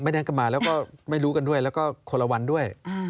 นั้นก็มาแล้วก็ไม่รู้กันด้วยแล้วก็คนละวันด้วย